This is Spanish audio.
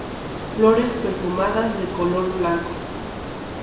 Flores perfumadas, de color blanco.